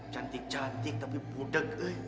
cantik cantik tapi budeg